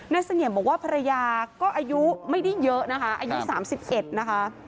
เสงี่ยมบอกว่าภรรยาก็อายุไม่ได้เยอะนะคะอายุ๓๑นะคะ